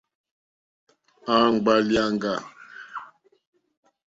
Àŋɡbá lìàŋɡà.